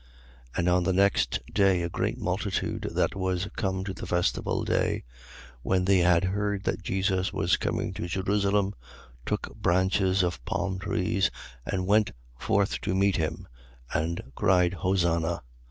12:12. And on the next day, a great multitude that was come to the festival day, when they had heard that Jesus was coming to Jerusalem, 12:13. Took branches of palm trees and went forth to meet him and cried Hosanna.